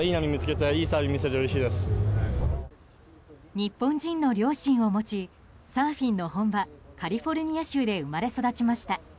日本人の両親を持ちサーフィンの本場カリフォルニア州で生まれ育ちました。